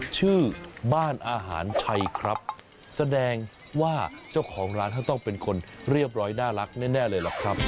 ชื่อบ้านอาหารชัยครับแสดงว่าเจ้าของร้านเขาต้องเป็นคนเรียบร้อยน่ารักแน่เลยหรอกครับ